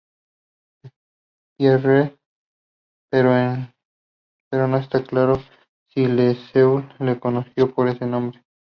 Pierre, pero no está claro si Le Sueur lo conoció por ese nombre.